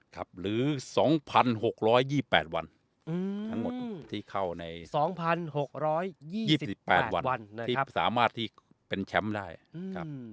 ครับหรือสองพันหกร้อยยี่แปดวันทั้งหมดที่เข้าในสองพันหกร้อยยี่สิบแปดวันนะครับที่สามารถที่เป็นแชมป์ได้ครับ